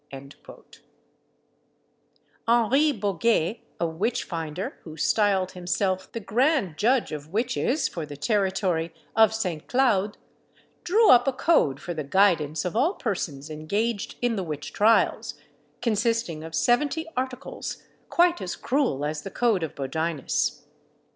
Henri Boguet, a witch finder, who styled himself "The Grand Judge of Witches for the Territory of St. Claude," drew up a code for the guidance of all persons engaged in the witch trials, consisting of seventy articles, quite as cruel as the code of Bodinus.